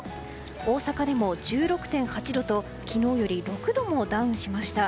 大阪でも１６．８度と昨日より６度もダウンしました。